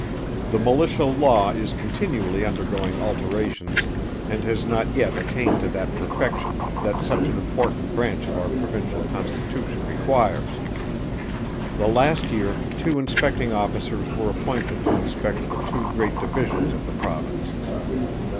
The Militia Law is continually undergoing alterations, and has not yet attained to that perfection, that such an important branch of our provincial constitution requires. The last year two Inspecting Officers were appointed to inspect the two great divisions of the Province.